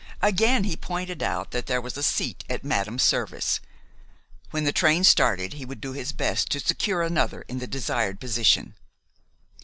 Again he pointed out that there was a seat at madam's service. When the train started he would do his best to secure another in the desired position.